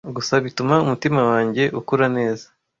gusa bituma umutima wanjye ukura neza.